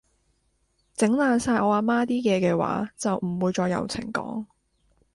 整爛晒我阿媽啲嘢嘅話，就唔會再有情講